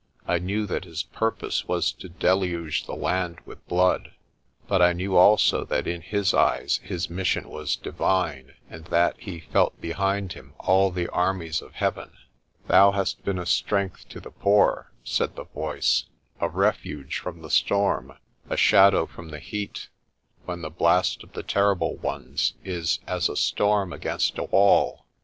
I knew that his purpose was to deluge the land with blood. But I knew also that in his eyes his mission was divine, and that he felt behind him all the armies of Heaven. "Thou hast been a strength to the poor," said the voice, "a refuge from the storm, a shadow from the heat^ 'when the blast of the Terrible Ones is as a storm against a 'wall.